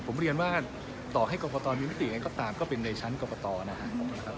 ผมเรียนว่าต่อให้กรกตมีมติยังไงก็ตามก็เป็นในชั้นกรกตนะครับ